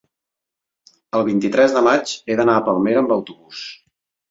El vint-i-tres de maig he d'anar a Palmera amb autobús.